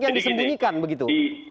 yang disembunyikan begitu